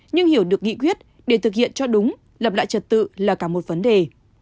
nhưng hiểu được nghị quyết để thực hiện cho đúng lập lại trật tự là cả một vấn đề